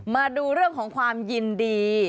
มาดูเรื่องของความยินดี